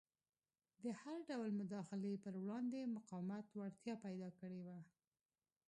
د هر ډول مداخلې پر وړاندې مقاومت وړتیا پیدا کړې وه.